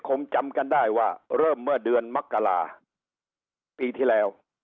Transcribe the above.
คงจำกันได้ว่าเริ่มเมื่อเดือนมกราปีที่แล้ว